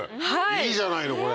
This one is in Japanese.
いいじゃないのこれ。